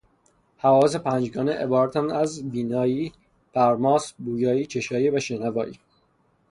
حواس پنجگانه عبارتند از: بینایی، پرماس، بویایی، چشایی و شنوایی